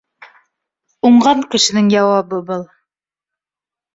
Уңған кешенең яуабы был